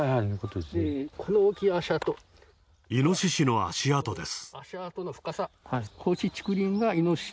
イノシシの足跡です。